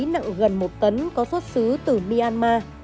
nặng gần một tấn có xuất xứ từ myanmar